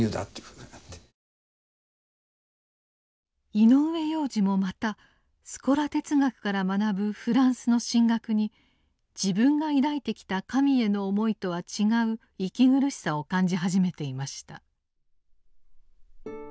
井上洋治もまたスコラ哲学から学ぶフランスの神学に自分が抱いてきた神への思いとは違う息苦しさを感じ始めていました。